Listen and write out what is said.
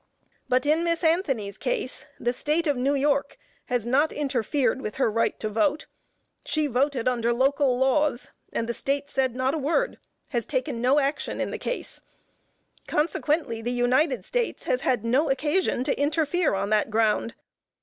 But in Miss Anthony's case, the State of New York has not interfered with her right to vote. She voted under local laws, and the State said not a word, has taken no action in the case, consequently the United States has had no occasion to interfere on that ground.